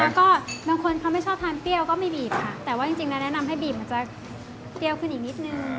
แล้วก็บางคนเขาไม่ชอบทานเปรี้ยวก็ไม่บีบค่ะแต่ว่าจริงแล้วแนะนำให้บีบมันจะเปรี้ยวขึ้นอีกนิดนึง